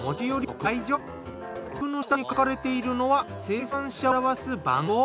価格の下に書かれているのは生産者を表す番号。